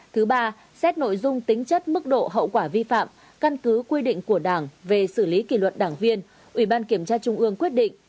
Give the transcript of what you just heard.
thứ ba xét nội dung tính chất mức độ hậu quả vi phạm căn cứ quy định của đảng về xử lý kỷ luật đảng viên ubkt trung ương quyết định